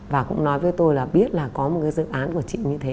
và cũng nói với tôi là biết là có một cái dự án của chị như thế